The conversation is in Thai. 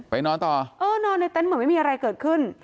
อนานในเต็นต์เหมื่อไม่มีอะไรเกิดขึ้น